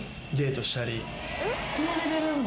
そのレベルも？